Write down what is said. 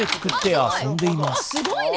あすごいね。